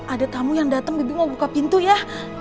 ada tamu yang datang bibi mau buka pintu ya